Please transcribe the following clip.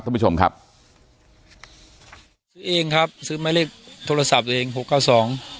เพื่อนผู้ชมครับเอ็งครับซื้อไม้เลขโทรศัพท์ตัวเองหกเก้าส่อง